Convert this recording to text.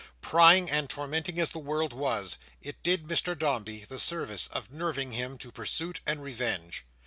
Prying and tormenting as the world was, it did Mr Dombey the service of nerving him to pursuit and revenge.